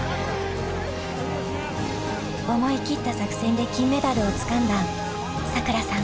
思い切った作戦で金メダルをつかんださくらさん。